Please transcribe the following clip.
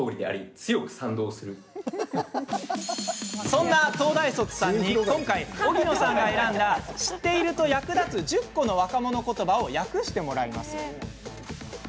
そんな東大卒さんに今回荻野さんが選んだ知っていると役立つ１０個の若者言葉を訳してもらいます。